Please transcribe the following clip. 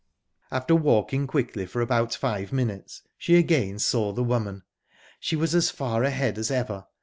After walking quickly for about five minutes, she again saw the woman. She was as far ahead as ever.